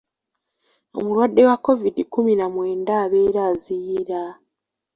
Omulwadde wa Kovidi kkumi na mwenda abeera aziyira.